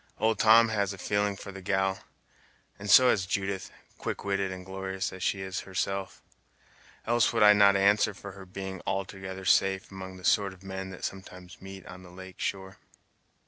Old Tom has a feeling for the gal, and so has Judith, quick witted and glorious as she is herself; else would I not answer for her being altogether safe among the sort of men that sometimes meet on the lake shore."